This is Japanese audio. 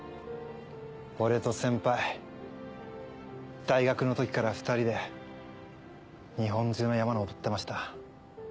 俺と先輩大学の時から２人で日本中の山登ってました。